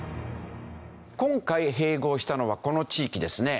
今回併合したのはこの地域ですね。